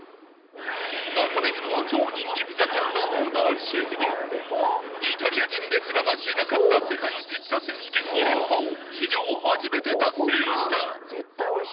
中目黒の超人気ピザ店のオーナーシェフでイタリア人ですら成し得なかった世界ピッツァ選手権２連覇を史上初めて達成した山本尚徳さんが全面監修